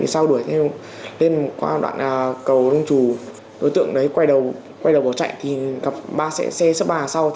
sau đuổi thêm một đoạn cầu đông trù đối tượng đấy quay đầu bỏ chạy thì gặp ba xe sấp ba sau